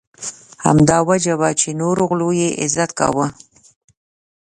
همدا وجه وه چې نورو غلو یې عزت کاوه.